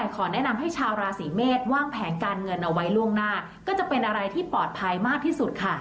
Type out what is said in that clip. ก็จะเป็นอะไรที่ปลอดภัยมากที่สุดค่ะ